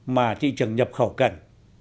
mà thị trường nhập khẩu cần